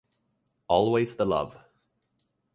Always the love.